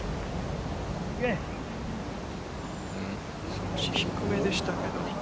少し低めでしたけど。